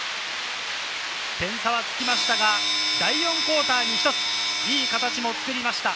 点差はつきましたが、第４クオーターに１ついい形を作りました。